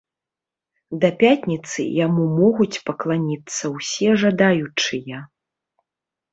Да пятніцы яму могуць пакланіцца ўсе жадаючыя.